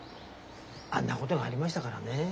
あんなことがありましたからね。